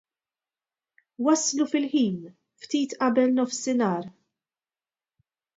Waslu fil-ħin, ftit qabel nofsinhar.